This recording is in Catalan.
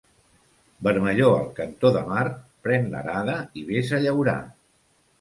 Vermellor al cantó de mar, pren l'arada i ves a llaurar.